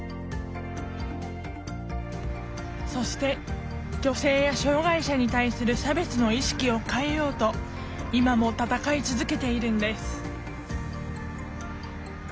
そして女性や障害者に対する差別の意識を変えようと今も戦い続けているんです